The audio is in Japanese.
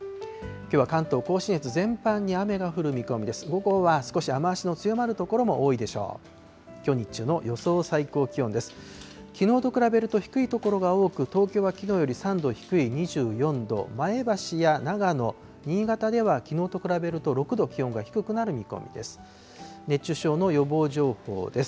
きのうと比べると低い所が多く、東京はきのうより３度低い２４度、前橋や長野、新潟ではきのうと比べると６度、気温が低くなる見込みです。